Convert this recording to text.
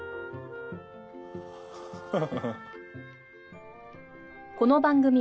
ハハハハ。